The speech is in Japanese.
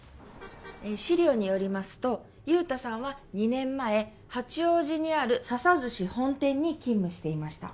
資料によりますと雄太さんは２年前八王子にある「沙々寿司本店」に勤務していました